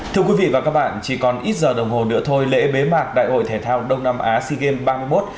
thưa quý vị và các bạn chỉ còn ít giờ đồng hồ nữa thôi lễ bế mạc đại hội thể thao đông nam á sea games ba mươi một